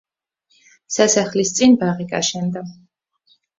სასახლის წინ ბაღი გაშენდა.